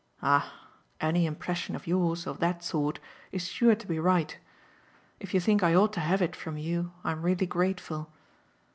"Ah any impression of yours of that sort is sure to be right. If you think I ought to have it from you I'm really grateful.